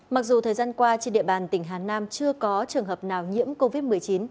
mặc dù thời gian qua trên địa bàn tỉnh hà nam chưa có trường hợp nào nhiễm covid một mươi chín